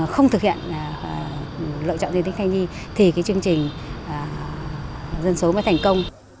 không thực hiện lựa chọn dân tính thanh ni thì cái chương trình dân số mới thành công